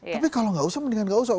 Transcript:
tapi kalau nggak usah mendingan gak usah